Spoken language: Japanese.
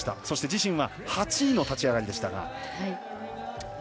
そして自身は８位の立ち上がりでした。